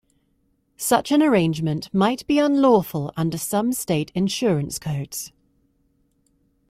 Such an arrangement might be unlawful under some state insurance codes.